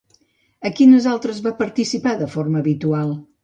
A quines altres va participar de forma habitual?